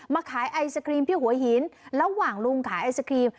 ขายไอศครีมที่หัวหินระหว่างลุงขายไอศครีม